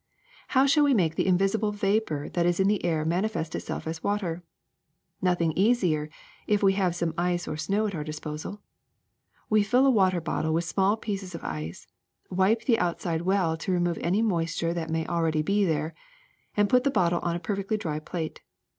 How shall we make the invisible vapor that is in the air manifest itself as water? Nothing easier, if we have some ice or snow at our disposal. We fill a water bottle with small pieces of ice, wipe the out side well to remove any moisture that may already be there, and put the bottle on a perfectly dry plate.